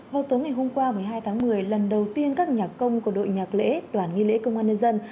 vào tối ngày hôm qua một mươi hai tháng một mươi lần đầu tiên các nhạc công của đội nhạc lễ đoàn nghi lễ công an nhân dân